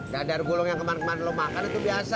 dadar gulung yang kemar kemar lu makan itu biasa